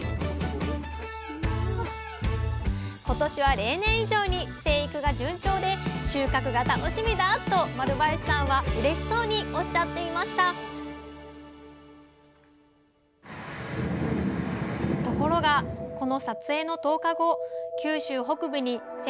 今年は例年以上に生育が順調で収穫が楽しみだと丸林さんはうれしそうにおっしゃっていましたところがこの撮影の１０日後九州北部に線状降水帯が発生。